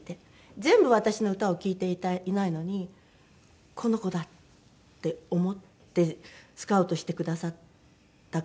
全部私の歌を聴いていないのにこの子だって思ってスカウトしてくださった方は。